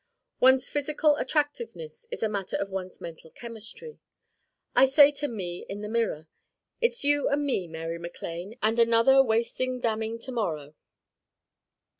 One's physical attractiveness is a matter of one's mental chemistry. I say to Me in the mirror, 'It's you and me, Mary MacLane, and another wasting damning To morrow.